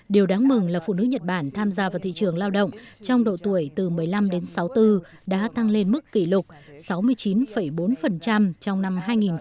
điều đáng mừng là phụ nữ nhật bản tham gia vào thị trường lao động trong độ tuổi từ một mươi năm đến sáu mươi bốn đã tăng lên mức kỷ lục sáu mươi chín bốn trong năm hai nghìn một mươi